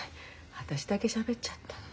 私だけしゃべっちゃった。